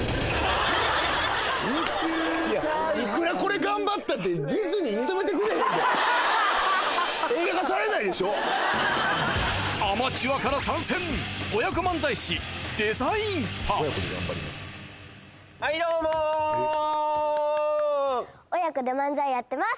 いやいくらこれ頑張ったってアマチュアから参戦親子漫才師はいどうも親子で漫才やってます